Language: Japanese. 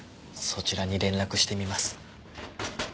そちらに連絡してみます。